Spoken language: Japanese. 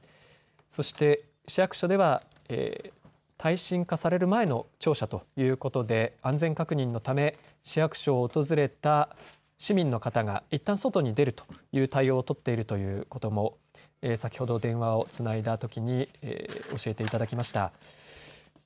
そして市役所では耐震化される前の庁舎ということで安全確認のため市役所を訪れた市民の方がいったん外に出るという対応を取っているということも先ほど電話をつないだときに教えていただきました。